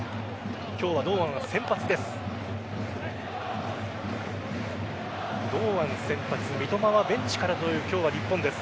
今日は堂安は先発です。